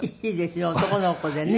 男の子でね。